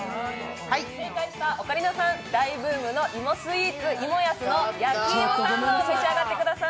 正解したオカリナさん、大ブームの芋スイーツ、芋やすの焼き芋サンドを召し上がってください。